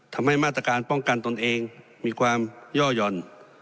ทำให้มาตรการป้องกันตนเองมีความย่อหย่อน